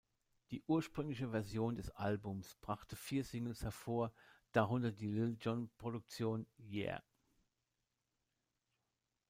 Die ursprüngliche Version des Albums brachte vier Singles hervor, darunter die Lil-Jon-Produktion "Yeah!